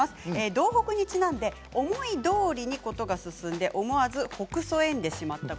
道北にちなんで思いどおりに事が進んで思わずほくそ笑んでしまう。